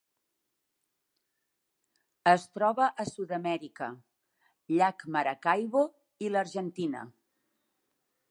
Es troba a Sud-amèrica: llac Maracaibo i l'Argentina.